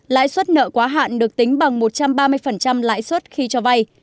lãi suất nợ quá hạn được tính bằng một trăm ba mươi lãi suất khi cho vay